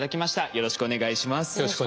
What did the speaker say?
よろしくお願いします。